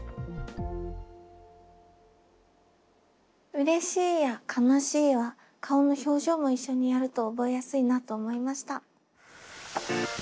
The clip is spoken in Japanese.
「うれしい」や「悲しい」は顔の表情も一緒にやると覚えやすいなと思いました。